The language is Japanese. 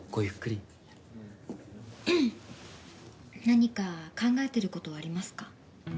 何か考えてる事はありますか？